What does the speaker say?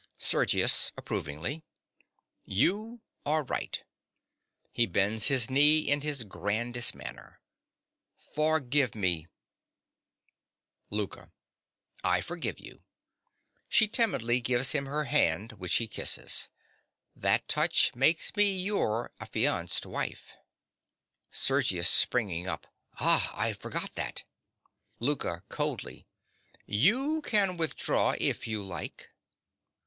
SERGIUS. (approvingly). You are right. (He bends his knee in his grandest manner.) Forgive me! LOUKA. I forgive you. (She timidly gives him her hand, which he kisses.) That touch makes me your affianced wife. SERGIUS. (springing up). Ah, I forgot that! LOUKA. (coldly). You can withdraw if you like.